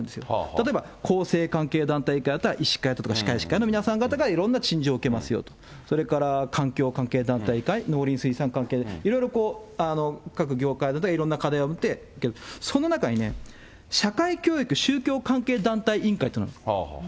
例えば厚生関係団体だったら、医師会とか歯科医師会の皆さんからいろんな陳情を受けますよと、それから環境関係団体、農林水産関係、いろいろ、各業界のいろんな課題を見て、その中に社会教育宗教関係団体委員会というのがある。